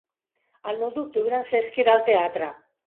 El nou d'octubre en Cesc irà al teatre.